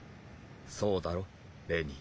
そうだろ？レニー。